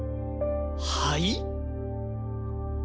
はい！？